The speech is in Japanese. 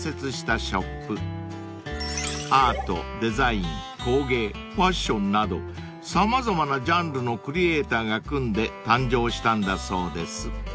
［アートデザイン工芸ファッションなど様々なジャンルのクリエーターが組んで誕生したんだそうです］